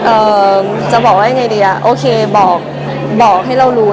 เอ่อจะบอกว่ายังไงดีอ่ะโอเคบอกบอกให้เรารู้